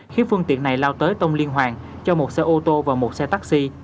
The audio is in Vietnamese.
khiến phương tiện này lao tới tông liên hoàn cho một xe ô tô và một xe taxi